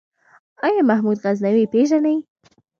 آيا محمود غزنوي پېژنې ؟